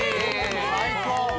・最高。